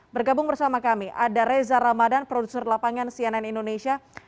bergabung bersama kami ada reza ramadan produser lapangan cnn indonesia